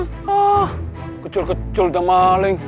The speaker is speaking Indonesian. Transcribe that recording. ah kejol kejol udah maling